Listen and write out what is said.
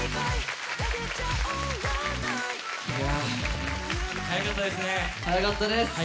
いや早かったですね。